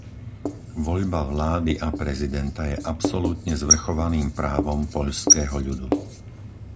Voľba vlády a prezidenta je absolútne zvrchovaným právom poľského ľudu.